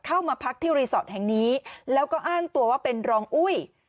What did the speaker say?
เข้ามาพักที่รีสอร์ทแห่งนี้แล้วก็อ้างตัวว่าเป็นรองอุ้ย